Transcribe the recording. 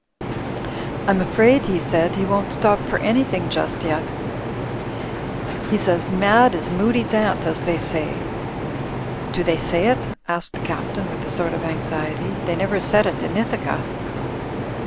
"I'm afraid," he said, "he won't stop for anything just yet. He's as mad as Moody's aunt, as they say." "Do they say it?" asked the Captain, with a sort of anxiety. "They never said it in Ithaca."